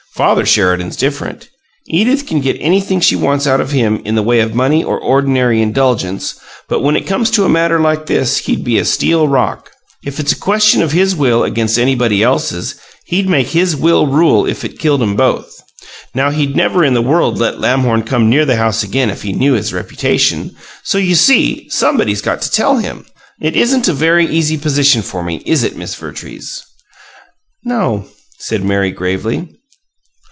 Father Sheridan's different. Edith can get anything she wants out of him in the way of money or ordinary indulgence, but when it comes to a matter like this he'd be a steel rock. If it's a question of his will against anybody else's he'd make his will rule if it killed 'em both! Now, he'd never in the world let Lamhorn come near the house again if he knew his reputation. So, you see, somebody's got to tell him. It isn't a very easy position for me, is it, Miss Vertrees?" "No," said Mary, gravely.